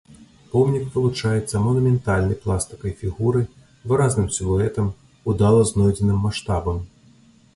Помнік вылучаецца манументальнай пластыкай фігуры, выразным сілуэтам, удала знойдзеным маштабам.